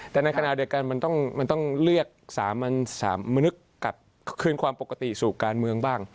แต่ในขณะเดียวกันมันต้องเลือก๓มนึกกลับคืนความปกติสู่การเมืองบ้าง